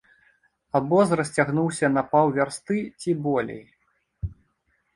Абоз расцягнуўся на паўвярсты ці болей.